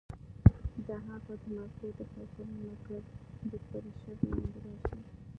د هغه د مزغو د فېصلې مرکز د پرېشر لاندې راشي